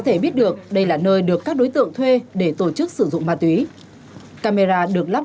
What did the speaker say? sau hai mươi bốn h là các đối tượng đặt phòng sẽ đi vào bằng cái cửa này